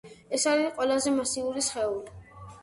ეს არის ყველაზე მასიური სხეული.